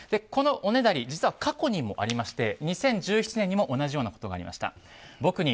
このおねだり実は過去にもありまして２０１７年にも同じようなことがありました。